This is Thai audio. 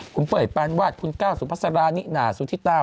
คุณเป้ยปานวาดคุณก้าวสุภาษารานิน่าสุธิตา